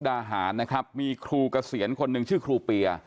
ดาหารนะครับมีครูเกษียณคนหนึ่งชื่อครูเปีย